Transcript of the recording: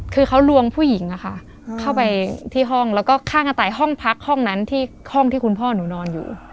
คือเขาลวงผู้หญิงเข้าไปที่ห้องแล้วก็ข้างกระต่ายห้องพักห้องนั้นที่ห้องที่คุณพ่อหนูนอนอยู่